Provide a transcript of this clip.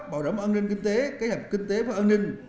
bảo đảm an ninh kinh tế cây hạp kinh tế và an ninh